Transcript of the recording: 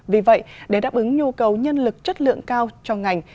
vì vậy để đáp ứng nhu cầu nhân lực chất lượng cao cho ngành